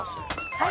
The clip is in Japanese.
はい。